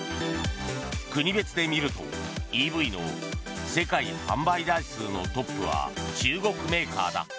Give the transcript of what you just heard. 国別で見るとＥＶの世界販売台数のトップは中国メーカーだ。